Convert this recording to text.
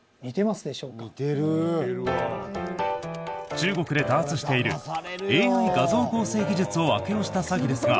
中国で多発しているＡＩ画像合成技術を悪用した詐欺ですが